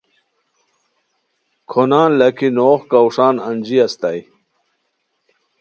کھونان لاکھی نوغ کاؤݰان انجی استائے